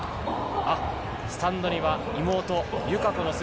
スタンドには妹・友香子の姿。